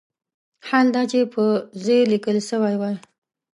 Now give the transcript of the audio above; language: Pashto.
حال دا چې په "ز" لیکل شوی وای.